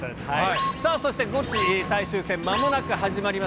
さあ、そしてゴチ最終戦、まもなく始まります。